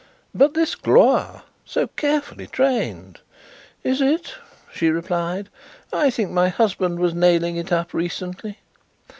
"But this Gloire, so carefully trained ?" "Is it?" she replied. "I think my husband was nailing it up recently."